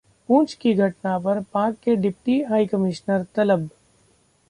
पुंछ की घटना पर पाक के डिप्टी हाईकमिश्नर तलब